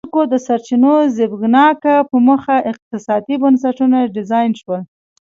د خلکو د سرچینو زبېښاک په موخه اقتصادي بنسټونه ډیزاین شول.